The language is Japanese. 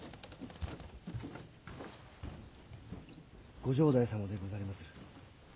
ご城代様でござりまする。